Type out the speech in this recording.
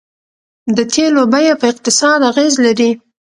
د تیلو بیه په اقتصاد اغیز لري.